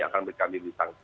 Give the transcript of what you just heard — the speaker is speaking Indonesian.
akan berikan diwisang